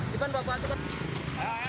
cuman bapak cepat